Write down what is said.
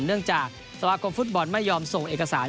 เนื่องจากสมาคมฟุตบอลไม่ยอมส่งเอกสาร